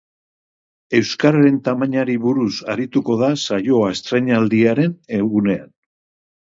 Euskararen tamainari buruz arituko da saioa estreinaldiaren egunean.